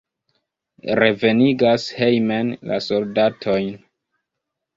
Revenigas hejmen la soldatojn!